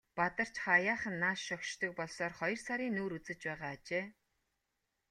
Бадарч хааяахан нааш шогшдог болсоор хоёр сарын нүүр үзэж байгаа ажээ.